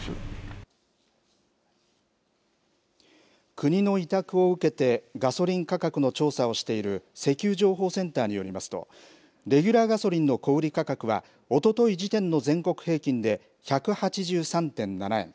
国の委託を受けてガソリン価格の調査をしている石油情報センターによりますと、レギュラーガソリンの小売り価格はおととい時点の全国平均で１８３．７円。